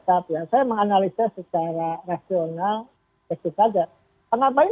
tapi apakah mereka punya kewenangan yang punya kewenangan itu presiden